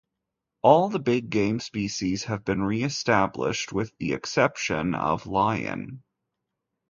All the big game species have been re-established with the exception of lion.